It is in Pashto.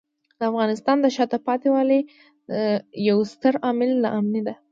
د افغانستان د شاته پاتې والي یو ستر عامل ناامني دی.